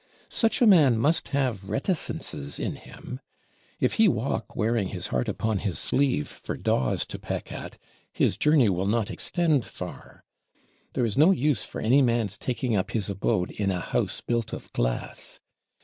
Such a man must have reticences in him. If he walk wearing his heart upon his sleeve for daws to peck at, his journey will not extend far! There is no use for any man's taking up his abode in a house built of glass.